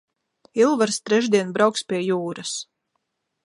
Ilvars trešdien brauks pie jūras.